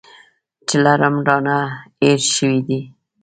چې لړم رانه هېر شوی دی .